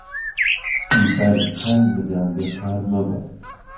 بەردتل بدە، بێ کار مەبە